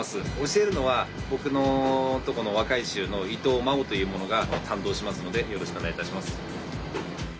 教えるのは僕のとこの若い衆の伊藤真生という者が担当しますのでよろしくお願いいたします。